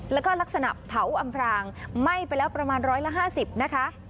แล้วก็ลักษณะเผาอำพรางไหม้ไปแล้วประมาณร้อยละห้าสิบนะคะ